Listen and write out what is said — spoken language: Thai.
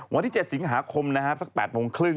วันที่๗สิงหาคมสัก๘โมงครึ่ง